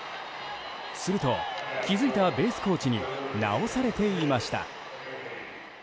すると、気付いたベースコーチに直されていました。